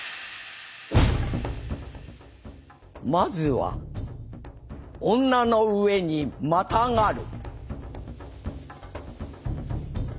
まずは女の上にまたがる。